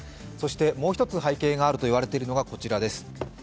そしてもう一つ背景があると言われているのがこちらです。